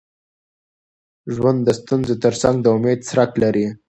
ژوند د ستونزو تر څنګ د امید څرک لري.